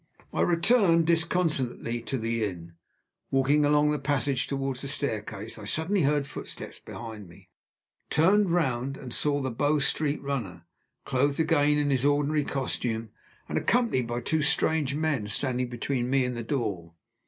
I returned disconsolately to the inn. Walking along the passage toward the staircase, I suddenly heard footsteps behind me turned round, and saw the Bow Street runner (clothed again in his ordinary costume, and accompanied by two strange men) standing between me and the door.